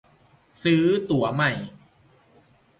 ซื้อตั๋วใหม่